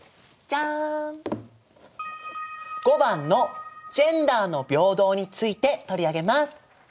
５番の「ジェンダーの平等」について取り上げます。